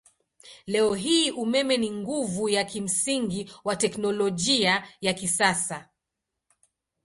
Leo hii umeme ni nguvu ya kimsingi wa teknolojia ya kisasa.